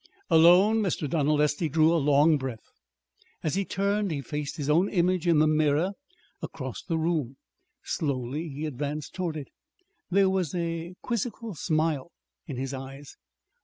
Alone, Mr. Donald Estey drew a long breath. As he turned, he faced his own image in the mirror across the room. Slowly he advanced toward it. There was a quizzical smile in his eyes.